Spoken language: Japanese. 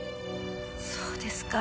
そうですか。